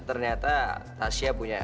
ternyata tasya punya